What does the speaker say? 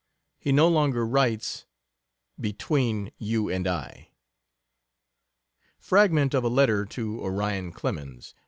He no longer writes "between you and I." Fragment of a letter to Orion Clemens.